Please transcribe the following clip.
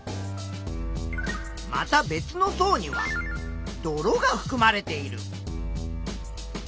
また別の層には泥がふくまれている。